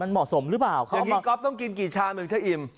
อย่างนี้กอล์ฟต้องกินกี่ชามนึงถ้าอิ่ม